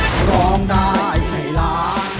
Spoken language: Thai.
ทุกคนร้องได้ให้ร้าง